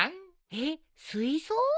えっ水槽？